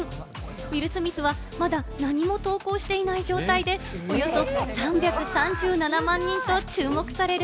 ウィル・スミスはまだ何も投稿していない状態でおよそ３３７万人と注目される